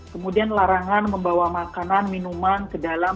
kemudian larangan membawa makanan minuman ke dalam